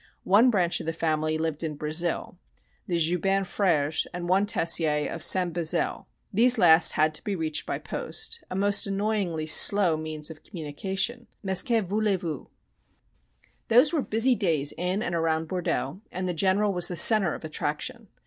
One branch of the family lived in Brazil the Joubin Frères and one Tessier of "Saint Bezeille." These last had to be reached by post, a most annoyingly slow means of communication mais que voulez vous? Those were busy days in and around Bordeaux, and the General was the centre of attraction.